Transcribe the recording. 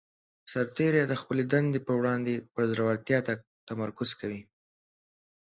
سرتیری د خپلې دندې په وړاندې پر زړه ورتیا تمرکز کوي.